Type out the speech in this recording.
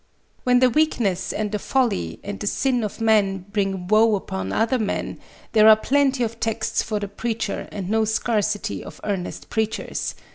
When the weakness and the folly and the sin of men bring woe upon other men, there are plenty of texts for the preacher and no scarcity of earnest preachers.